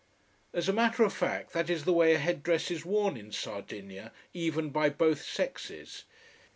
As a matter of fact that is the way a head dress is worn in Sardinia, even by both sexes.